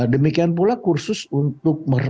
demikian pula kursus untuk merdeka